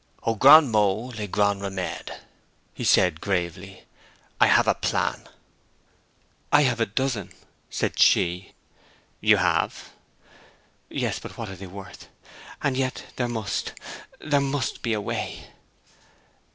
'Aux grands maux les grands remedes,' he said, gravely. 'I have a plan.' 'I have a dozen!' said she. 'You have?' 'Yes. But what are they worth? And yet there must there must be a way!'